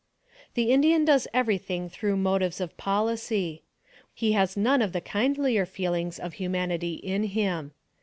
The Indian does every thing through motives of policy. He has none of the kindlier feelings of humanity in him.